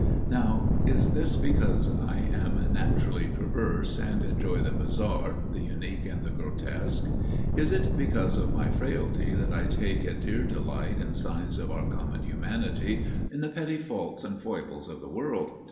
Now, is this because I am naturally perverse, and enjoy the bizarre, the unique and the grotesque? Is it because of my frailty that I take a dear delight in signs of our common humanity, in the petty faults and foibles of the world?